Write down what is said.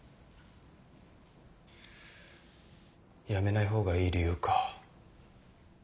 辞めない方がいい理由か。